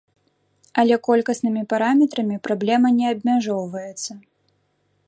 Але колькаснымі параметрамі праблема не абмяжоўваецца.